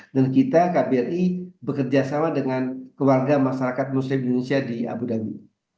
dan kita kbri bekerja sama dengan keluarga masyarakat muslim di indonesia di abu dhabi